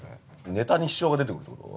ネタに支障が出てくるってこと？